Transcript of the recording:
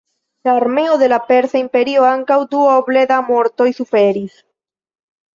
La armeo de la Persa Imperio ankaŭ duoble da mortoj suferis.